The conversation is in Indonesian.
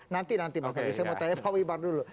nanti nanti mas adi saya mau tanya pak wimar dulu